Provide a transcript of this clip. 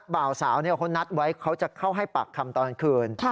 บ่าวสาวเขานัดไว้เขาจะเข้าให้ปากคำตอนคืน